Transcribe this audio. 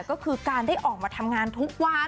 ก็คือการได้ออกมาทำงานทุกวัน